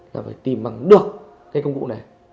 là phải tìm bằng được cây công cụ này